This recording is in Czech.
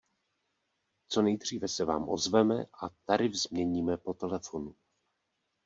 Co nejdříve se vám ozveme a tarif změníme po telefonu.